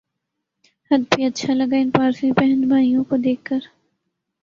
ہت ھی اچھا لگا ان پارسی بہن بھائیوں کو دیکھ کر